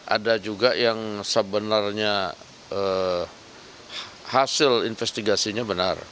ada juga yang sebenarnya hasil investigasinya benar